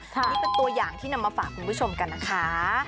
อันนี้เป็นตัวอย่างที่นำมาฝากคุณผู้ชมกันนะคะ